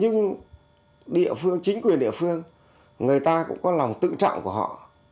nhưng địa phương chính quyền địa phương người ta cũng có lòng tự trọng của họ